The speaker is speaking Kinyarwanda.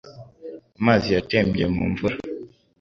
Amazi yatembye mu mvura